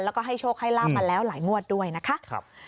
แล้วก็ให้โชคให้ลาบมาแล้วหลายงวดด้วยนะคะ